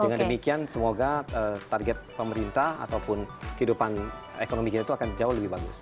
dengan demikian semoga target pemerintah ataupun kehidupan ekonomi kita itu akan jauh lebih bagus